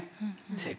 正解。